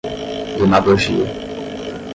demagogia